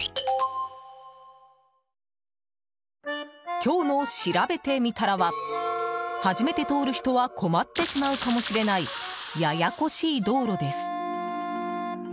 今日のしらべてみたらは初めて通る人は困ってしまうかもしれないややこしい道路です。